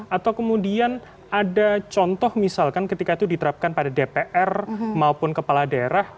atau kemudian ada contoh misalkan ketika itu diterapkan pada dpr maupun kepala daerah